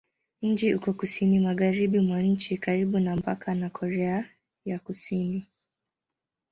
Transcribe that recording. Mji uko kusini-magharibi mwa nchi, karibu na mpaka na Korea ya Kusini.